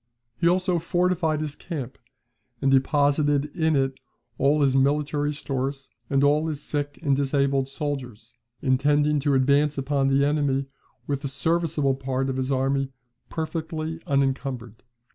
He also fortified his camp, and deposited in it all his military stores, and all his sick and disabled soldiers; intending to advance upon the enemy with the serviceable part of his army perfectly unencumbered.